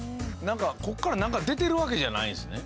ここからなんか出てるわけじゃないんですね？